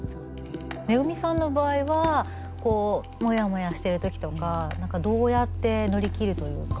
ＭＥＧＵＭＩさんの場合はもやもやしてる時とか何かどうやって乗り切るというか。